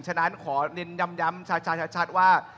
ฉะนั้นขอเน้นย้ำชัดว่า